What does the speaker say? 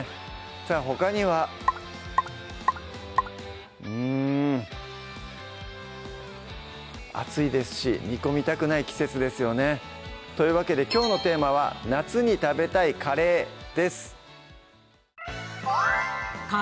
さぁほかにはうん暑いですし煮込みたくない季節ですよねというわけできょうのテーマは「夏に食べたいカレー」です